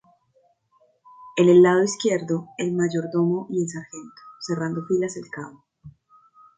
En el lado izquierdo el Mayordomo y el Sargento, cerrando filas el Cabo.